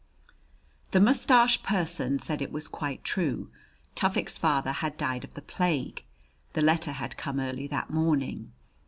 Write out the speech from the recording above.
The mustached person said it was quite true. Tufik's father had died of the plague; the letter had come early that morning.